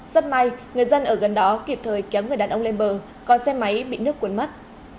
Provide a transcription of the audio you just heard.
rất may người dân ở gần đó kịp thời kéo người đàn ông lên bờ còn xe máy bị nước cuốn mất